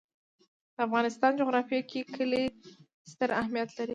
د افغانستان جغرافیه کې کلي ستر اهمیت لري.